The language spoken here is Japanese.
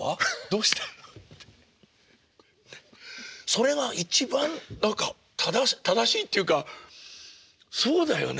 それが一番何か正しいって言うかそうだよね。